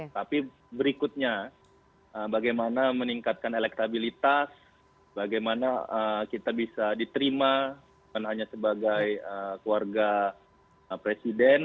tapi berikutnya bagaimana meningkatkan elektabilitas bagaimana kita bisa diterima bukan hanya sebagai keluarga presiden